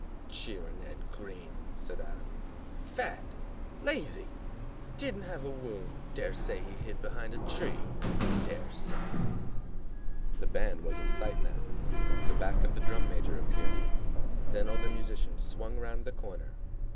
"Cheering Ed Green!" said Adam. "Fat! Lazy! Didn't have a wound. Dare say he hid behind a tree! Dare say " The band was in sight now, the back of the drum major appeared, then all the musicians swung round the corner.